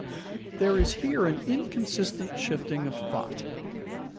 _ There is here an inconsistent shifting of thought.